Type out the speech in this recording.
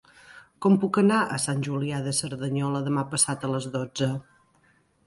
Com puc anar a Sant Julià de Cerdanyola demà passat a les dotze?